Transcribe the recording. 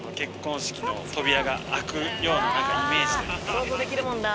想像できるもんな！